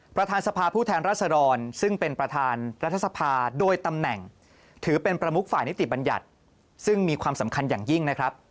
ประธานสภาผู้แทนรัศดรซึ่งเป็นประธานรัฐสภาโดยตำแหน่งถือเป็นประมุกฝ่ายนิติบัญญัติซึ่งมีความสำคัญอย่างยิ่งนะครับ